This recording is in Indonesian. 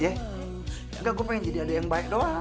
enggak gue pengen jadi ada yang baik doang